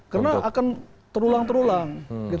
karena akan terulang terulang